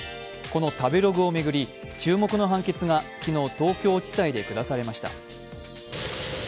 この食べログを巡り、注目の判決が昨日、東京地裁で下されました。